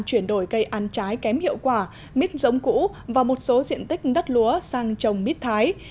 chuyển đổi cây ăn trái kém hiệu quả mít giống cũ và một số diện tích đất lúa sang trồng mít thái